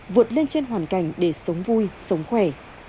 vượt lên trên hoàn cảnh để sống vui sống khỏe